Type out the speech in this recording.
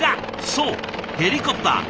そうヘリコプター。